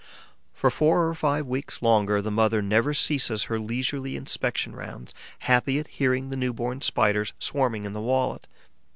For four or five weeks longer, the mother never ceases her leisurely inspection rounds, happy at hearing the new born Spiders swarming in the wallet.